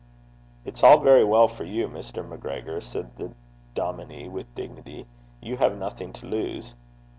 'It's all very well for you, Mr. MacGregor,' said the dominie, with dignity: 'you have nothing to lose.'